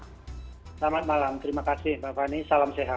selamat malam terima kasih mbak fani salam sehat